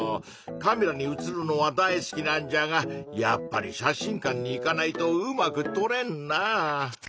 カメラにうつるのは大好きなんじゃがやっぱり写真館に行かないとうまくとれんなぁ。